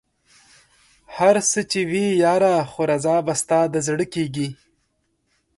هر څه چې وي ياره خو رضا به ستا د زړه کېږي